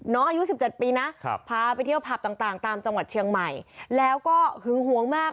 อายุ๑๗ปีนะพาไปเที่ยวผับต่างตามจังหวัดเชียงใหม่แล้วก็หึงหวงมาก